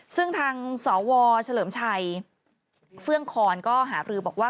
ซึ่งทางสวเฉลิมชัยเฟื่องคอนก็หารือบอกว่า